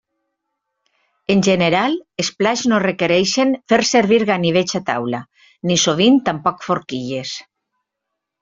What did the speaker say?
En general, els plats no requereixen fer servir ganivets a taula, ni sovint tampoc forquilles.